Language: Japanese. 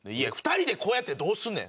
２人でこうやってどうすんねん。